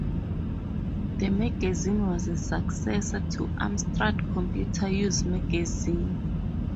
The magazine was a successor to "Amstrad Computer User" magazine.